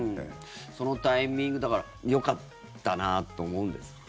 そのタイミングよかったなと思うんですか？